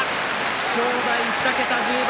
正代、２桁１０番。